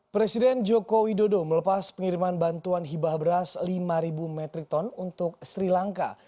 presiden joko widodo melepas pengiriman bantuan hibah beras lima metri ton untuk sri lanka